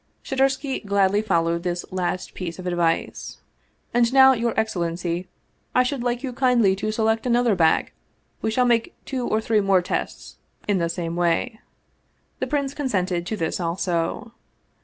Shadursky gladly followed this last piece of advice. " And now, your excellency, I should like you kindly to select another bag ; we shall make two or three more tests in the same way." The prince consented to this also.